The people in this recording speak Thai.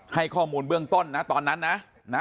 ให้ข้อมูลเบื้องต้นนะตอนนั้นนะ